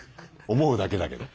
思うだけだけど。